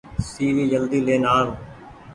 سي وي جلدي لين آئو۔